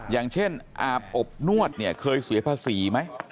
อย่างเช่นอาบอบนวดเนี่ยเคยเสียภาษีไหม